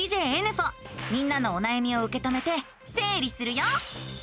みんなのおなやみをうけ止めてせい理するよ！